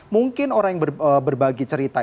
mungkin orang yang berbagi cerita